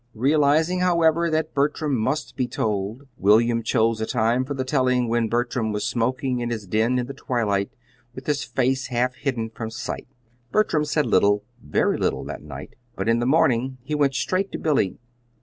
Realizing, however, that Bertram must be told, William chose a time for the telling when Bertram was smoking in his den in the twilight, with his face half hidden from sight. Bertram said little very little, that night; but in the morning he went straight to Billy.